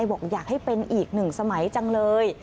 บอกอยากให้เป็นอีกหนึ่งสมัยจังเลย